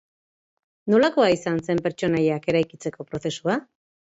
Nolakoa izan zen pertsonaiak eraikitzeko prozesua?